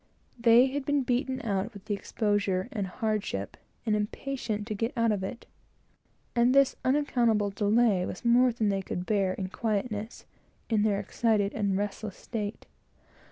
They had been beaten out with the exposure and hardship, and impatient to get out of it, and this unaccountable delay was more than they could bear in quietness, in their excited and restless state.